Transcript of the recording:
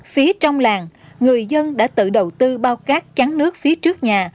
phía trong làng người dân đã tự đầu tư bao cát trắng nước phía trước nhà